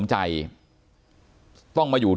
ขอบคุณมากครับขอบคุณมากครับ